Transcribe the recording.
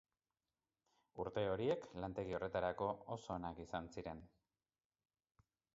Urte horiek lantegi horretarako oso onak izan ziren.